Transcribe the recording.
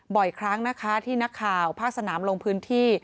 บ่อยครั้งนะคะที่นักข่าวภาคสนามลงพื้นที่